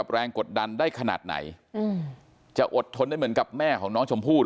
แม่น้องชมพู่แม่น้องชมพู่แม่น้องชมพู่แม่น้องชมพู่